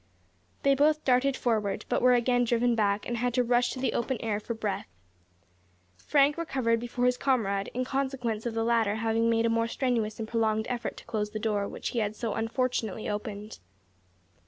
They both darted forward; but were again driven back, and had to rush to the open air for breath. Frank recovered before his comrade, in consequence of the latter having made a more strenuous and prolonged effort to close the door which he had so unfortunately opened.